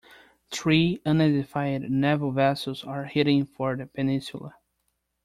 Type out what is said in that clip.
Three unidentified naval vessels are heading for the peninsula.